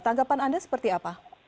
tanggapan anda seperti apa